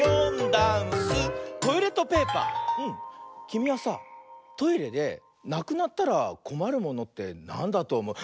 きみはさトイレでなくなったらこまるものってなんだとおもう？